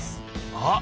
あっ！